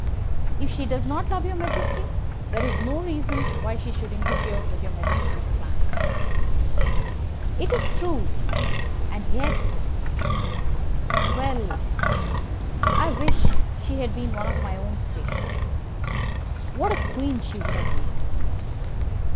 If she does not love your majesty, there is no reason why she should interfere with your majesty's plan." "It is true. And yet Well, I wish she had been of my own station. What a queen she would have made!"